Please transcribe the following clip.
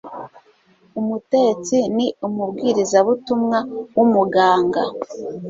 Umutetsi ni Umubwirizabutumwa wUmuganga